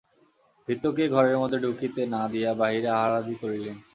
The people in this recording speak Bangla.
ভৃত্যকে ঘরের মধ্যে ঢুকিতে না দিয়া বাহিরে আহারাদি করিলেন।